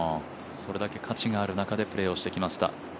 それだけ価値がある中でプレーをしてきました。